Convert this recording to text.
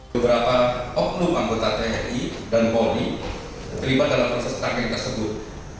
beberapa oknum anggota tni dan poli terlibat dalam kasus kerangkeng tersebut